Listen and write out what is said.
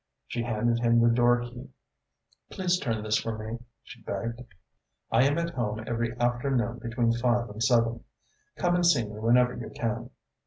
She handed him the door key. "Please turn this for me," she begged. "I am at home every afternoon between five and seven. Come and see me whenever you can."